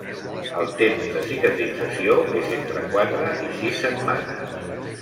El temps de cicatrització és entre quatre i sis setmanes.